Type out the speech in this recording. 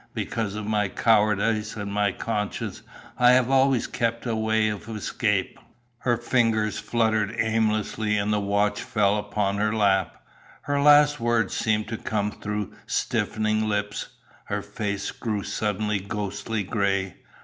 Because of my cowardice, and my conscience, I have always kept a way of escape." Her fingers fluttered aimlessly and the watch fell upon her lap. Her last words seemed to come through stiffening lips. Her face grew suddenly ghostly gray.